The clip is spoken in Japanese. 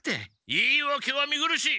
言いわけは見苦しい！